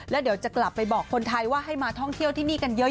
แล้วเดี๋ยวจะกลับไปบอกคนไทยว่าให้มาท่องเที่ยวที่นี่กันเยอะ